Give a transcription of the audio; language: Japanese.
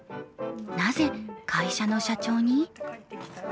なぜ会社の社長に？